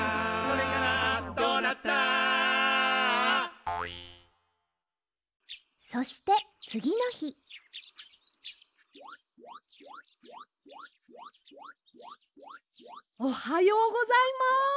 「どうなった？」そしてつぎのひおはようございます！